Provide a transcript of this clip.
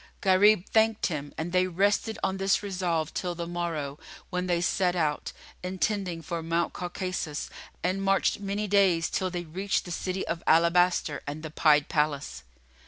Gharib thanked him and they rested on this resolve till the morrow, when they set out, intending for Mount Caucasus and marched many days till they reached the City of Alabaster and the Pied Palace.